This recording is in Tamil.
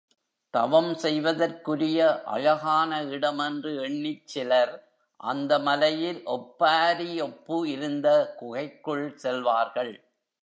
தவம் செய்வதற்குரிய அழகான இடம் என்று எண்ணிச் சிலர் அந்த மலையில் ஒப்பாரி ஒப்பு இருந்த குகைக்குள் செல்வார்கள்.